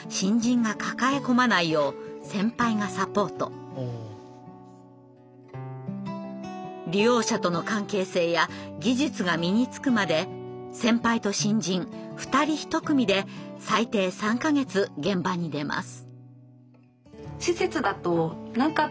そこで利用者との関係性や技術が身につくまで先輩と新人２人１組で最低３か月現場に出ます。